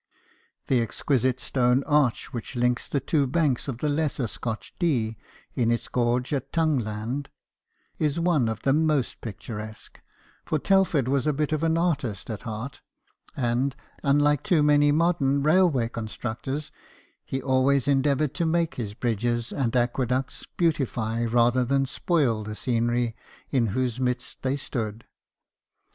The exquisite stone arch which links the two banks of the lesser Scotch Dee in its gorge at Tongueland is one of the most picturesque ; for Telford was a bit of an artist at heart, and, unlike too many modern railway constructors, he always endeavoured to make his bridges and aqueducts beautify rather than spoil the scenery in whose midst they stood.